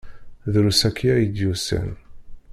Drus akya i d-yusan.